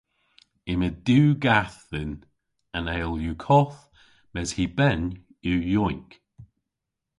Yma diw gath dhyn. An eyl yw koth mes hy ben yw yowynk.